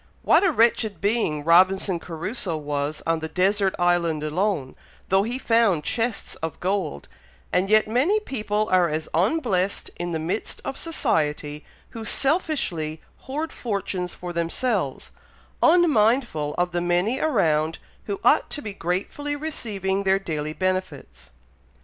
"What a wretched being Robinson Crusoe was on the desert island alone, though he found chests of gold, and yet many people are as unblessed in the midst of society, who selfishly hoard fortunes for themselves, unmindful of the many around who ought to be gratefully receiving their daily benefits."